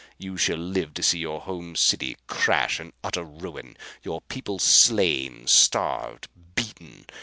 You shall live to see your home city crash in utter ruin; your people slain, starved, beaten.